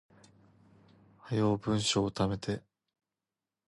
早う文章溜めて